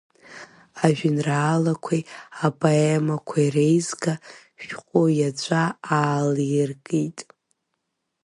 Ажәеинраалақәеи апоемақәеи реизга шәҟәы иаҵәа ааллыркит.